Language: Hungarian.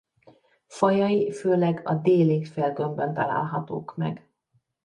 Fajai főleg a déli félgömbön találhatók meg.